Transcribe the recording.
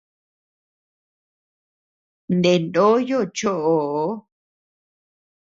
Nde noyo choʼo.